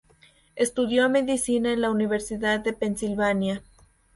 Estudió medicina en la Universidad de Pensilvania.